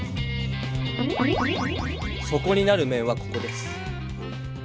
底になる面はここです。